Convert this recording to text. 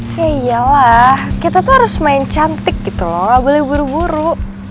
iya lah kita tuh harus main cantik gitu loh gak boleh buru buru